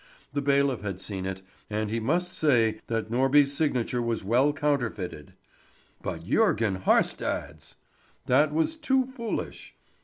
The bailiff had seen it, and he must say that Norby's signature was well counterfeited. But Jörgen Haarstad's! That was too foolish!